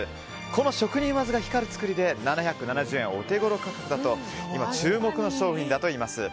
この職人技が光る作りで７７０円はオテゴロ価格だと今注目の商品だといいます。